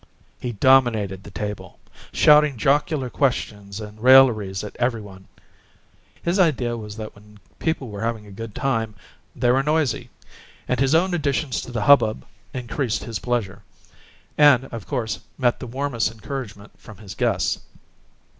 He dominated the table, shouting jocular questions and railleries at every one. His idea was that when people were having a good time they were noisy; and his own additions to the hubbub increased his pleasure, and, of course, met the warmest encouragement from his guests.